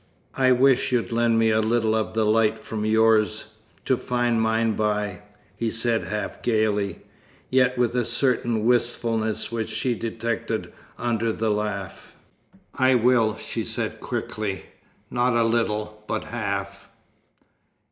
"I wish you'd lend me a little of the light from yours, to find mine by," he said half gaily, yet with a certain wistfulness which she detected under the laugh. "I will," she said quickly. "Not a little, but half."